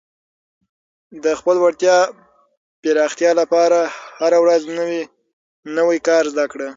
د خپلې وړتیا پراختیا لپاره هره ورځ نوی کار زده کړه.